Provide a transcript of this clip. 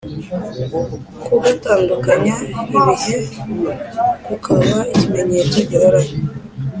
kugatandukanya ibihe, kukaba ikimenyetso gihoraho.